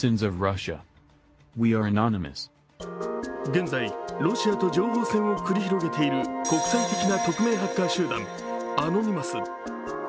現在、ロシアと情報戦を繰り広げている国際的な匿名ハッカー集団・アノニマス。